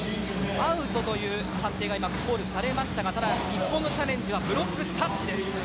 アウトという判定がコールされましたがただ、日本のチャレンジはブロックタッチです。